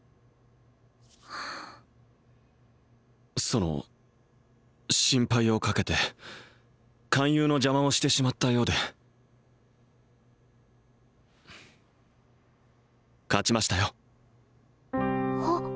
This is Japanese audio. その心配をかけて勧誘の邪魔をしてしまったようで勝ちましたよ